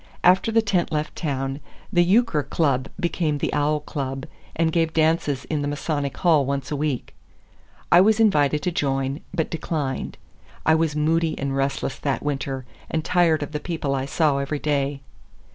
After the tent left town, the Euchre Club became the Owl Club, and gave dances in the Masonic Hall once a week. I was invited to join, but declined. I was moody and restless that winter, and tired of the people I saw every day.